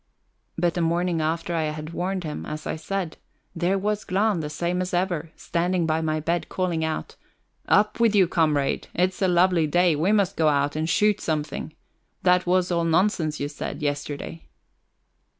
But the morning after I had warned him, as I said, there was Glahn the same as ever, standing by my bed, calling out: "Up with you, comrade! It's a lovely day; we must go out and shoot something. That was all nonsense you said yesterday."